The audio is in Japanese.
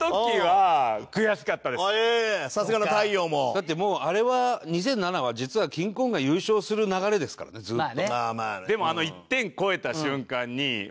だってもうあれは２００７は実はキングコングが優勝する流れですからねずっと。